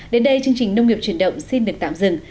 đến đây chương trình nông nghiệp truyền động xin được tạm dừng